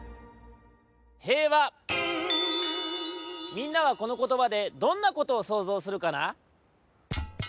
みんなはこのことばでどんなことをそうぞうするかな？